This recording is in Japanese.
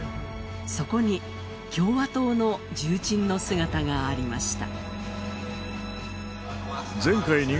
そこに共和党の重鎮の姿がありました。